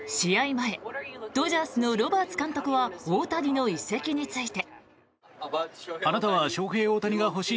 前ドジャースのロバーツ監督は大谷の移籍について。